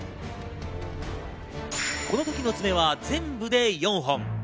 この時の爪は全部で４本。